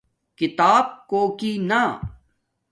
کھیتاپ کوکی نا